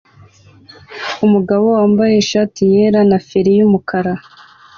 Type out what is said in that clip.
Umugabo wambaye ishati yera na feri yumukara